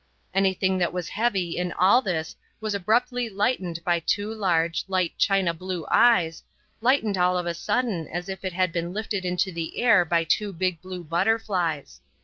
Anything that was heavy in all this was abruptly lightened by two large, light china blue eyes, lightened all of a sudden as if it had been lifted into the air by two big blue butterflies.